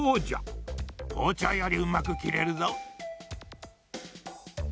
ほうちょうよりうまくきれるぞ。